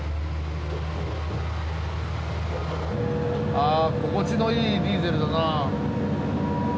あ心地のいいディーゼルだな。